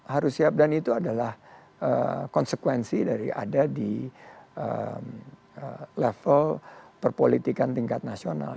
harus siap dan itu adalah konsekuensi dari ada di level perpolitikan tingkat nasional